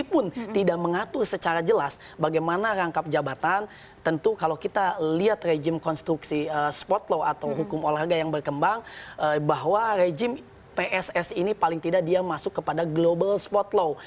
kalaupun tidak mengatur secara jelas bagaimana rangkap jabatan tentu kalau kita lihat rejim konstruksi spot law atau hukum olahraga yang berkembang bahwa rejim pss ini paling tidak dia masuk kepada global spot law